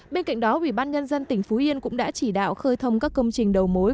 bên cạnh đó ủy ban nhân dân tỉnh phú yên cũng đã chỉ đạo khơi thông các công trình đầu mối